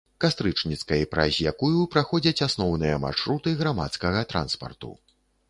Кастрычніцкай, праз якую праходзяць асноўныя маршруты грамадскага транспарту.